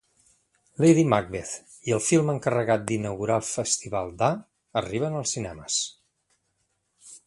Lady Macbeth' i el film encarregat d'inaugurar el Festival D'A arriben als cinemes.